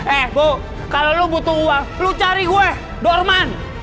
eh bu kalau lo butuh uang lo cari gue dorman